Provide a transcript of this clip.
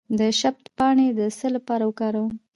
د شبت پاڼې د څه لپاره وکاروم؟